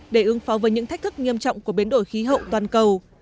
để ứng phó với những thách thức nghiêm trọng của biến đổi khí hậu toàn cầu